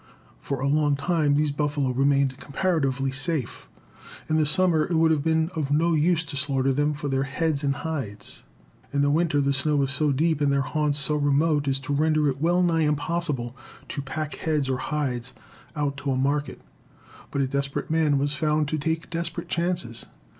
For a long time these buffalo remained comparatively safe. In the summer it would have been of no use to slaughter them for their heads and hides. In the winter the snow was so deep and their haunts so remote as to render it well nigh impossible to pack heads or hides out to a market. But a desperate man was found to take desperate chances.